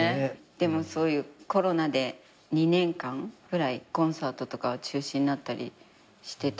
でもコロナで２年間くらいコンサートとか中止になったりしてたの？